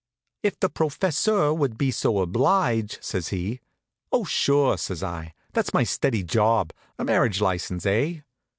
"If the professeur would be so oblige," says he. "Oh, sure," says I. "That's my steady job. A marriage license, eh?"